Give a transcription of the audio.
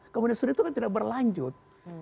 kemudian sudah itu kan tidak berlanjut